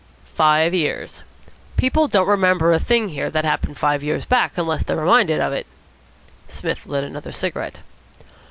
"Five years. People don't remember a thing here that happened five years back unless they're reminded of it." Psmith lit another cigarette.